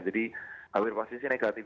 jadi akhirnya pasiennya negatif